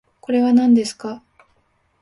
これはなんですか